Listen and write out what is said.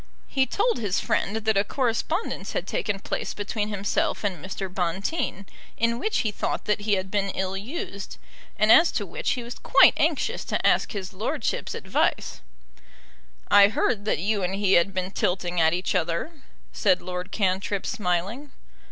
He told his friend that a correspondence had taken place between himself and Mr. Bonteen, in which he thought that he had been ill used, and as to which he was quite anxious to ask His Lordship's advice. "I heard that you and he had been tilting at each other," said Lord Cantrip, smiling.